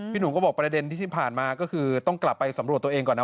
หนุ่มก็บอกประเด็นที่ผ่านมาก็คือต้องกลับไปสำรวจตัวเองก่อนนะ